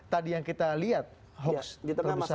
tadi yang kita lihat hoax terbesar